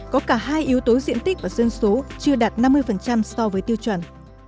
có cả hai yếu tố diện tích và dân số chưa đạt năm mươi so với tiêu chuẩn